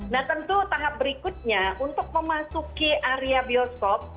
nah tentu tahap berikutnya untuk memasuki area bioskop